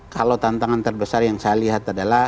kalau tantangan terbesar yang saya lihat adalah